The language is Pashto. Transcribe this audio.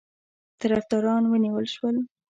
طرفداران ونیول شول.